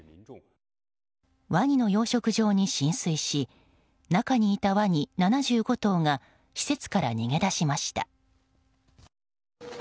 ワニの養殖場に浸水し中にいたワニ７５頭が施設から逃げ出しました。